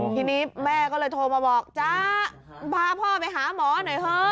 ทีนี้แม่ก็เลยโทรมาบอกจ๊ะพาพ่อไปหาหมอหน่อยเถอะ